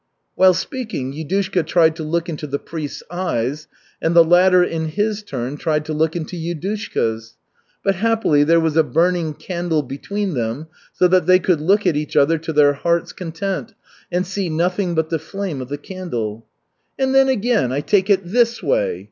While speaking Yudushka tried to look into the priest's eyes, and the latter in his turn, tried to look into Yudushka's. But happily, there was a burning candle between them, so that they could look at each other to their hearts' content and see nothing but the flame of the candle. "And then again, I take it this way.